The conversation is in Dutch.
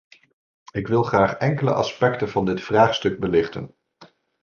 Ik wil graag enkele aspecten van dit vraagstuk belichten.